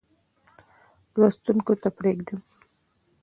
لوستونکو ته پرېږدم.